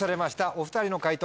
お２人の解答